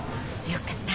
よかった。